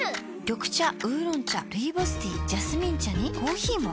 緑茶烏龍茶ルイボスティージャスミン茶にコーヒーも。